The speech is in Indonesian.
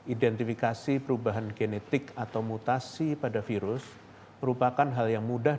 identifikasi perubahan genetik atau mutasi pada virus merupakan hal yang mudah